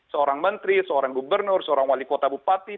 seorang menteri seorang gubernur seorang wali kota bupati